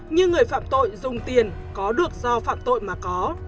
như người phạm tội dùng tiền có được do phạm tội mà có